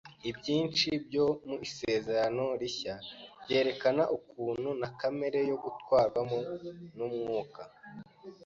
ibyinshi byo mu Isezerano Rishya byerekana ukuntu na kamere yo guturwamo n'Umwuka